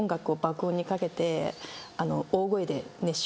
大声で。